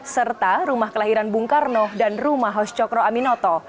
serta rumah kelahiran bung karno dan rumah hos cokro aminoto